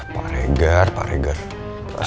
pak regar pak regar